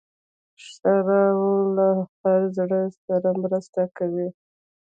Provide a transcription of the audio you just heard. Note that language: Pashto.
ښوروا له هر زړه سره مرسته کوي.